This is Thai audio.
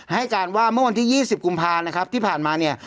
ให้การว่าเมื่อวันที่๒๐กุมภานะครับที่ผ่านมาเนี่ย